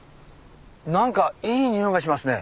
何かいい匂いがしますね。